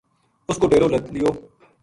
اس کو ڈیرو لَد لیو